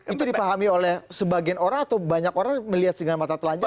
itu dipahami oleh sebagian orang atau banyak orang melihat dengan mata telanjang